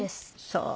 そう。